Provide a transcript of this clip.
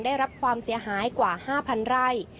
ได้รับความเสียหายกว่า๕๐๐ไร่